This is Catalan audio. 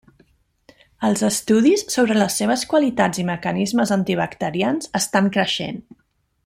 Els estudis sobre les seves qualitats i mecanismes antibacterians estan creixent.